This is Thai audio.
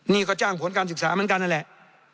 นี่ก็จ้างผลการศึกษาเหมือนกันนั่นแหละ